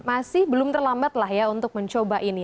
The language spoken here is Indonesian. masih belum terlambat lah ya untuk mencoba ini